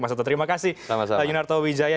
mas otto terima kasih lajunarto wijaya